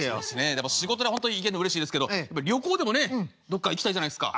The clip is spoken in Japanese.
でも仕事で本当行けるのうれしいですけど旅行でもねどっか行きたいじゃないですか。